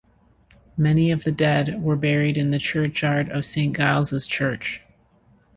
Many of the dead were buried in the churchyard of Saint Giles' Church.